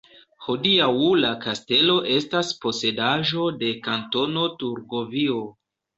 Hodiaŭ la kastelo estas posedaĵo de Kantono Turgovio.